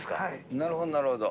なるほど、なるほど。